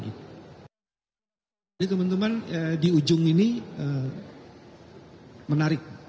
jadi teman teman di ujung ini menarik